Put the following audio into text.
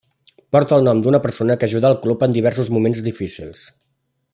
Porta el nom d'una persona que ajudà al club en diversos moments difícils.